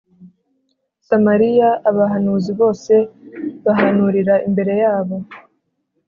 Samariya abahanuzi bose bahanurira imbere yabo